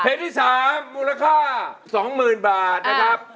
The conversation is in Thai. ที่๓มูลค่า๒๐๐๐บาทนะครับ